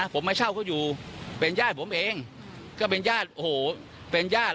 ผมมาเช่าเขาอยู่เป็นญาติผมเองก็เป็นญาติโอ้โหเป็นญาติ